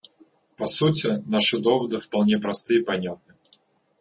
По сути, наши доводы вполне просты и понятны.